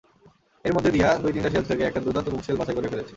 এরই মধ্যে দিয়া দুই-তিনটা শেলফ থেকে একটা দুর্দান্ত বুকশেলফ বাছাই করে ফেলেছে।